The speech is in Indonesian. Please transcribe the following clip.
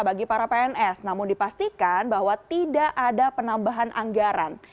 jadi para pns namun dipastikan bahwa tidak ada penambahan anggaran